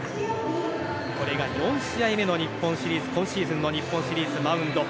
これが４試合目の今シーズンの日本シリーズのマウンド。